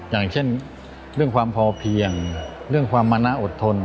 อย่างเช่นเรื่องความพอเพียงเรื่องความมานะอดทน